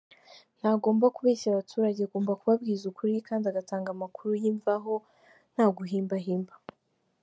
Ntagomba kubeshya abaturage, agomba kubabwiza ukuri kandi agatanga amakuru yimvaho nta guhimbahimba.